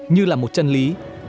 như là một chân lý